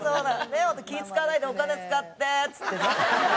「気ぃ使わないでお金使って」っつってね。